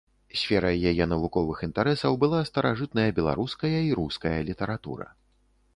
Сферай яе навуковых інтарэсаў была старажытная беларуская і руская літаратура.